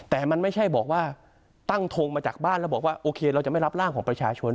แต่มันไม่ใช่บอกว่าตั้งทงมาจากบ้านแล้วบอกว่าโอเคเราจะไม่รับร่างของประชาชน